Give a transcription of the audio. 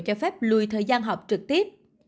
cho phép lùi thời gian học trực tiếp